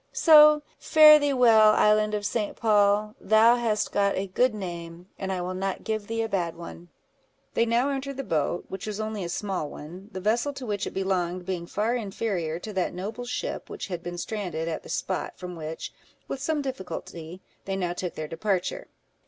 So fare thee well, Island of St. Paul; thou hast got a good name, and I will not give thee a bad one." They now entered the boat, which was only a small one, the vessel to which it belonged being far inferior to that noble ship which had been stranded at the spot from which, with some difficulty, they now took their departure.